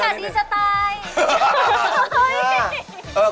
อากาศดีจะตาย